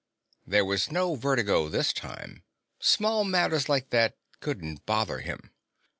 There was no vertigo this time; small matters like that couldn't bother him.